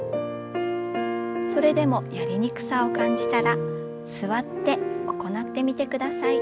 それでもやりにくさを感じたら座って行ってみてください。